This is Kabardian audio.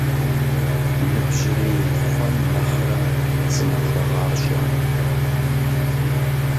Ныбжьырей хъуэн нэхърэ зы махуэ гъащӀэ.